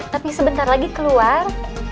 tapi sebentar lagi keluar